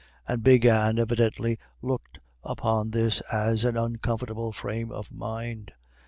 And Big Anne evidently looked upon this as an uncomfortable frame of mind.